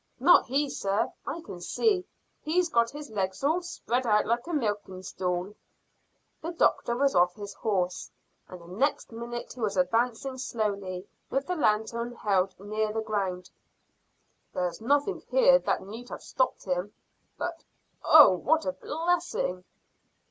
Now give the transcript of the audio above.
"Not he, sir. I can see; he's got his legs all spread out like a milking stool." The doctor was off his horse, and the next minute he was advancing slowly, with the lanthorn held near the ground. "There's nothing here that need have stopped him, but Oh, what a blessing!"